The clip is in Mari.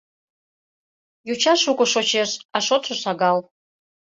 Йоча шуко шочеш, а шотшо шагал.